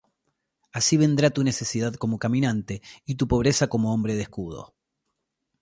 Así vendrá tu necesidad como caminante, Y tu pobreza como hombre de escudo.